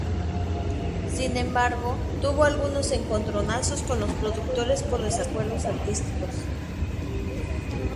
Sin embargo, tuvo algunos encontronazos con los productores por desacuerdos artísticos.